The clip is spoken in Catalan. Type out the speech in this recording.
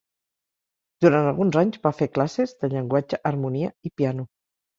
Durant alguns anys va fer classes de llenguatge, harmonia i piano.